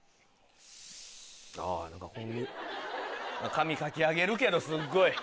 髪かき上げるけどすっごい。